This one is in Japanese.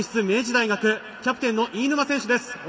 明治大学キャプテンの飯沼選手です。